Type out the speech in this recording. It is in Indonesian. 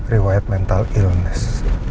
riwayat mental illness